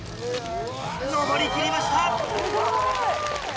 登り切りました！